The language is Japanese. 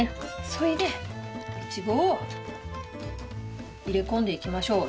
それでいちごを入れ込んでいきましょう。